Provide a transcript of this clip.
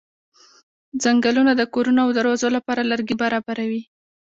څنګلونه د کورونو او دروازو لپاره لرګي برابروي.